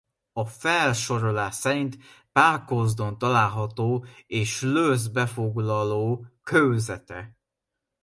A felsorolás szerint Pákozdon található és lösz befoglaló kőzete.